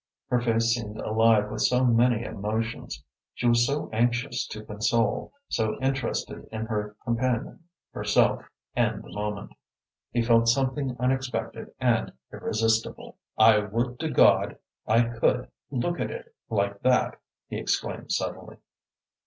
Her face seemed alive with so many emotions. She was so anxious to console, so interested in her companion, herself, and the moment. He felt something unexpected and irresistible. "I would to God I could look at it like that!" he exclaimed suddenly.